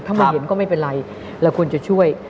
ถ้าไม่เห็นก็ไม่เป็นไรเราควรจะช่วย